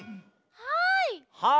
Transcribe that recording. はい。